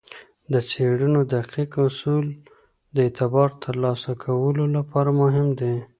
د څیړنو دقیق اصول د اعتبار ترلاسه کولو لپاره مهم دي.